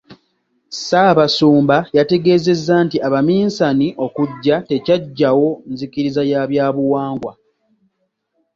Ssaabasumba yategeezezza nti abaminsane okujja tekyaggyawo nzikiriza ya byabuwangwa.